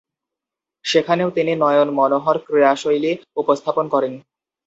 সেখানেও তিনি নয়ন মনোহর ক্রীড়াশৈলী উপস্থাপন করেন।